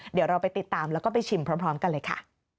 เดี๋ยวเราไปติดตามแล้วก็ไปชิมพร้อมกันเลยค่ะ